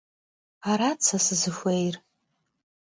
Arat se sızıxuêyr.